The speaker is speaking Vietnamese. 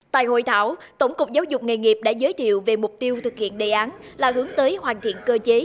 tại hội thảo tổng cục giáo dục nghề nghiệp đã giới thiệu về mục tiêu thực hiện đề án là hướng tới hoàn thiện cơ chế